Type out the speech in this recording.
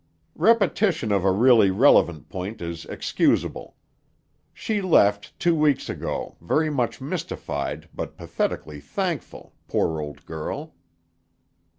"Repetition of a really relevant point is excusable. She left, two weeks ago, very much mystified but pathetically thankful, poor old girl!"